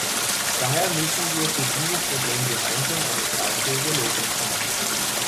Daher müssen wir für dieses Problem gemeinsam eine tragfähige Lösung finden.